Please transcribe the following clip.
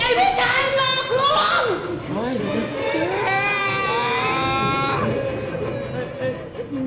ไอ้พี่ชันหลอกลง